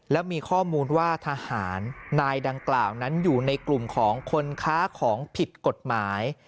และมีข้อมูลว่าทหารนายดังกล่าวนั้นอยู่ในกลุ่มของคนค้าของผิดกฎหมาย